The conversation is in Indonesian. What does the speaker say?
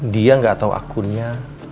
dia gak tau akunnya